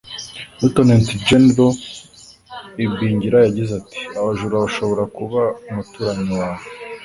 Lt Gen Ibingira yagize ati “Abajura bashobora kuba umuturanyi wawe